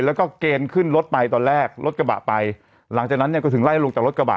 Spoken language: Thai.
แล้วก็เกณฑ์ขึ้นรถไปตอนแรกรถกระบะไปหลังจากนั้นเนี่ยก็ถึงไล่ลงจากรถกระบะ